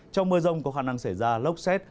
trong mưa rông có khả năng xảy ra lốc xét